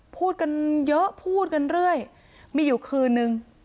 พูดกันเยอะพูดกันเรื่อยมีอยู่คืนนึง